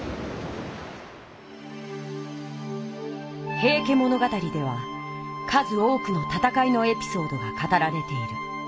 「平家物語」では数多くのたたかいのエピソードが語られている。